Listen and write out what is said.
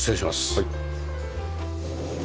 はい。